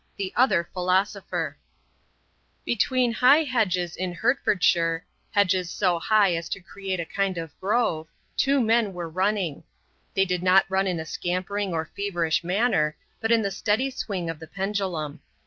THE OTHER PHILOSOPHER Between high hedges in Hertfordshire, hedges so high as to create a kind of grove, two men were running. They did not run in a scampering or feverish manner, but in the steady swing of the pendulum.